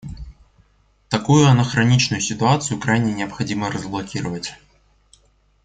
Такую анахроничную ситуацию крайне необходимо разблокировать.